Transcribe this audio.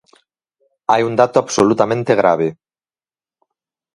Hai un dato absolutamente grave.